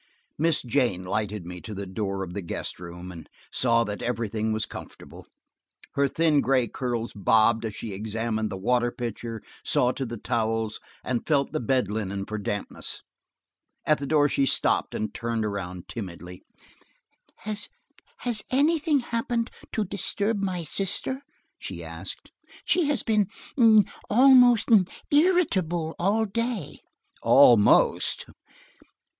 Miss Jane lighted me to the door of the guest room, and saw that everything was comfortable. Her thin gray curls bobbed as she examined the water pitcher, saw to the towels, and felt the bed linen for dampness. At the door she stopped and turned around timidly. "Has–has anything happened to disturb my sister?" she asked. "She–has been almost irritable all day." Almost!